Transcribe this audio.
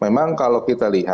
memang kalau kita lihat